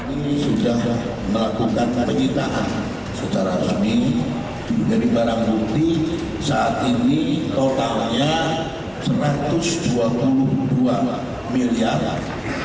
ini sudah melakukan penyitaan secara sami dari barang bukti saat ini totalnya satu ratus dua puluh dua miliar tiga ratus delapan belas delapan ratus dua puluh lima enam ratus tujuh puluh dua rupiah